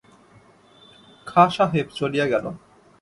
খাঁ সাহেব চলিয়া গেল।